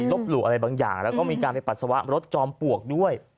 หลู่อะไรบางอย่างแล้วก็มีการไปปัสสาวะรถจอมปลวกด้วย